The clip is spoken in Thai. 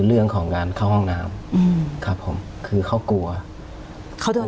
เรื่องของการเข้าห้องน้ำอืมครับผมคือเขากลัวเขาโดน